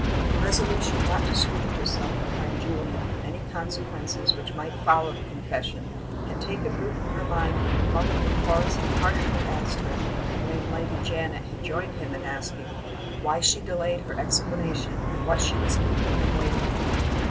Her resolution not to screen herself behind Julian from any consequences which might follow the confession had taken root in her mind from the moment when Horace had harshly asked her (and when Lady Janet had joined him in asking) why she delayed her explanation, and what she was keeping them waiting for.